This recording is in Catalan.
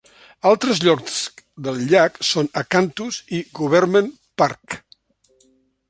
Altres llocs del llac són Acanthus i Government Park.